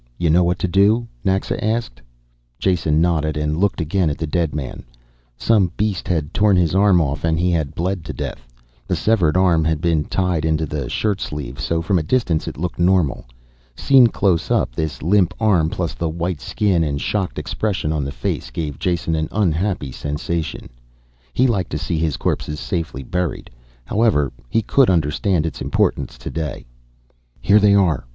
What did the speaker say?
Y'know what to do?" Naxa asked. Jason nodded, and looked again at the dead man. Some beast had torn his arm off and he had bled to death. The severed arm had been tied into the shirt sleeve, so from a distance it looked normal. Seen close up this limp arm, plus the white skin and shocked expression on the face, gave Jason an unhappy sensation. He liked to see his corpses safely buried. However he could understand its importance today. "Here they're.